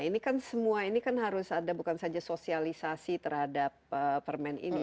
ini kan semua ini kan harus ada bukan saja sosialisasi terhadap permen ini